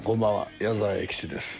矢沢永吉です。